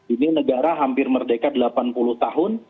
ini negara hampir merdeka delapan puluh tahun